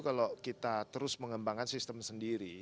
kalau kita terus mengembangkan sistem sendiri